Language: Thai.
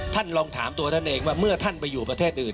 ลองถามตัวท่านเองว่าเมื่อท่านไปอยู่ประเทศอื่น